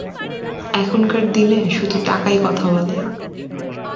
এখনকার দিনে শুধু টাকাই কথা বলে।